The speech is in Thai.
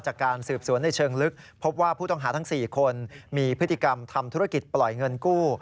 จากการสืบสวนในเชิงลึกพบว่าผู้ต้องหาทั้ง๔คนมีพฤติกรรมทำธุรกิจปล่อยเงินกู้